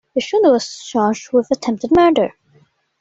The shooter was charged with attempted murder.